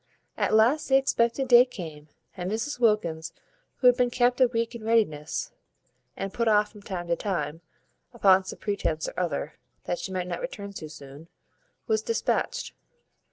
At last the expected day came, and Mrs Wilkins, who had been kept a week in readiness, and put off from time to time, upon some pretence or other, that she might not return too soon, was dispatched.